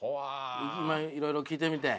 今いろいろ聞いてみて。